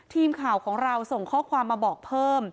ทีมข่าวของเราส่งข้อความมาบอกเพิ่ม